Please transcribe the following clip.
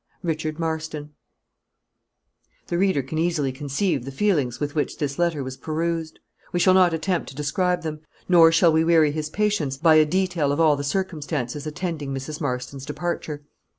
"RICHARD MARSTON" The reader can easily conceive the feelings with which this letter was perused. We shall not attempt to describe them; nor shall we weary his patience by a detail of all the circumstances attending Mrs. Marston's departure.